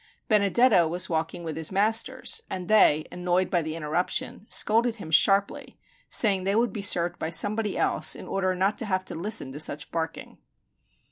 Benedetto was walking with his masters, and they, annoyed by the interruption, scolded him sharply, saying they would be served by somebody else, in order not to have to listen to such barking.